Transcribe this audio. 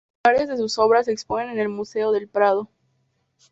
Varias de sus obras se exponen en el Museo del Prado.